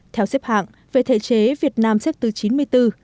theo xếp hạng về thể chế việt nam xếp thứ chín mươi bốn